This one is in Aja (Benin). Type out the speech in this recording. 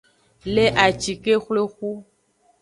Le acikexwlexu.